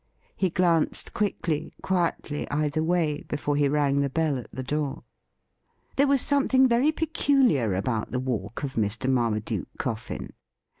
He glanced quickly, quietly, either way before he rang the bell at the door. There was something very peculiar about the walk of Mr. Marmaduke Coffin.